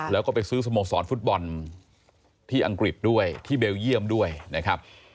แล้วก็ไปซื้อสโมสรฟุตบอลที่อังกฤษด้วยที่เบลเยี่ยมด้วยนะครับ